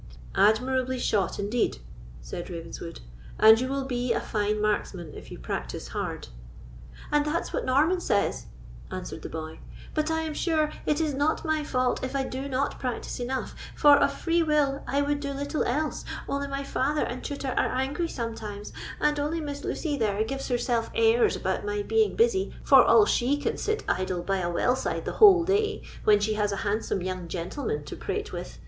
"Admirably shot, indeed," said Ravenswood; "and you will be a fine marksman if you practise hard." "And that's what Norman says," answered the boy; "but I am sure it is not my fault if I do not practise enough; for, of free will, I would do little else, only my father and tutor are angry sometimes, and only Miss Lucy there gives herself airs about my being busy, for all she can sit idle by a well side the whole day, when she has a handsome young gentleman to prate with.